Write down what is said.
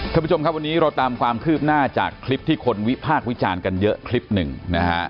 ท่านผู้ชมครับวันนี้เราตามความคืบหน้าจากคลิปที่คนวิพากษ์วิจารณ์กันเยอะคลิปหนึ่งนะฮะ